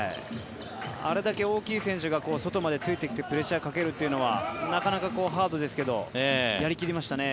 あれだけ大きい選手が外までついてきてプレッシャーをかけるというのはなかなかハードですけどやり切りましたね